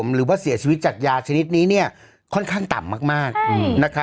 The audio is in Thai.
หรือว่าเสียชีวิตจากยาชนิดนี้เนี่ยค่อนข้างต่ำมากนะครับ